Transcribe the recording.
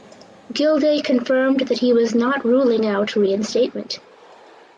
Gilday confirmed that he was not ruling out reinstatement.